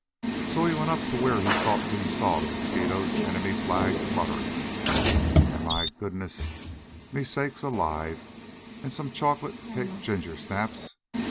So up he went to where he thought he saw the mosquito enemy's flag fluttering, and my goodness me sakes alive and some chocolate cake ginger snaps!